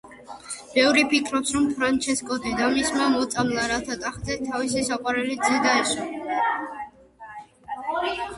ბევრი ფიქრობს, რომ ფრანჩესკო დედამისმა მოწამლა, რათა ტახტზე თავისი საყვარელი ძე დაესვა.